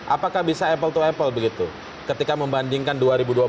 apakah bisa apple to apple begitu ketika membandingkan dua ribu dua belas dengan sekarang